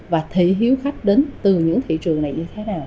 và thị hiếu khách đến từ nước